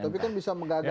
tapi kan bisa mengadalkan